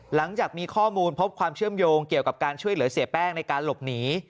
หลังจากมีข้อมูลพบความเชื่อมโยงเกี่ยวกับการช่วยเหลือเสียแป้งในการหลบหนี